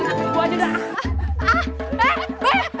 gua tinggal aja deh